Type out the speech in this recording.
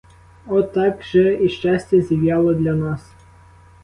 Отак же і щастя зів'яло для нас.